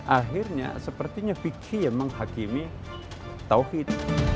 akhirnya sepertinya fiksi memang hakimi tauhid